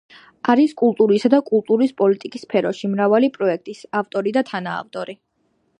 არის კულტურისა და კულტურის პოლიტიკის სფეროში მრავალი პროექტის ავტორი და თანაავტორი.